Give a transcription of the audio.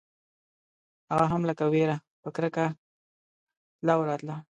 هغه هم لکه وېره په کرکه تله او راتله.